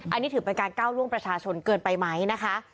อันนี้ถือเป็นการก้าวล่วงประชาชนเกินไปไหมนะคะ